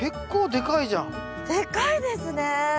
でかいですね。